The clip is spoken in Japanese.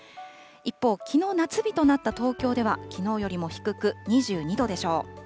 一方、きのう夏日となった東京ではきのうよりも低く２２度でしょう。